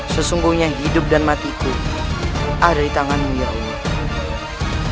sesungguhnya hidup dan matiku ada di tanganmu ya allah